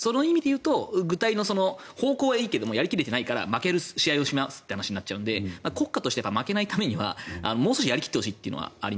具体はいいけど方向がやり切れていないから負ける試合をしますということになっちゃうので国家として負けないためにはもう少しやり切ってほしいというのがある。